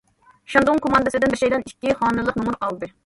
شەندۇڭ كوماندىسىدىن بەشەيلەن ئىككى خانىلىق نومۇر ئالدى.